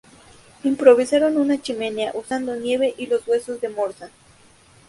Improvisaron una chimenea usando nieve y los huesos de morsa.